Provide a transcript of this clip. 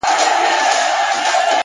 • سیوری د قسمت مي په دې لاره کي لیدلی دی,